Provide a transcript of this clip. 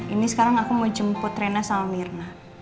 ini sekarang aku mau jemput rena sama mirna